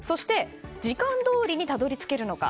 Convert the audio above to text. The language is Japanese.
時間どおりにたどり着けるのか。